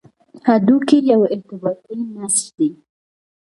هډوکی یو ارتباطي نسج دی.